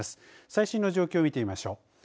最新の状況を見てみましょう。